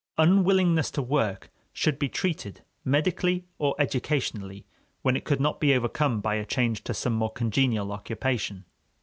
Unwillingness to work should be treated medically or educationally, when it could not be overcome by a change to some more congenial occupation.